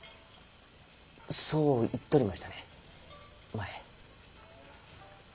そう言っとりましたね前。